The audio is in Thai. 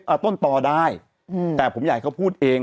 เอาต้นต่อได้อืมแต่ผมอยากให้เขาพูดเอง